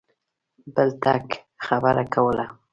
بل ټک خبره کوله.